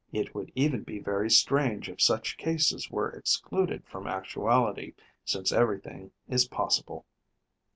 It would even be very strange if such cases were excluded from actuality, since everything is possible.